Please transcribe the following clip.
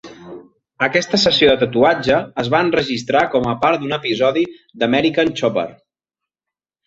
Aquesta sessió de tatuatge es va enregistrar com a part d'un episodi d' "American Chopper".